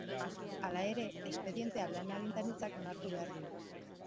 Hala ere, espedientea lan-agintaritzak onartu behar du.